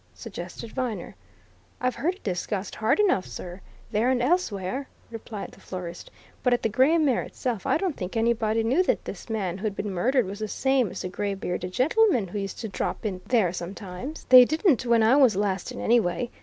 suggested Viner. "I've heard it discussed hard enough, sir, there and elsewhere," replied the florist. "But at the Gray Mare itself, I don't think anybody knew that this man who'd been murdered was the same as the grey bearded gentleman who used to drop in there sometimes. They didn't when I was last in, anyway.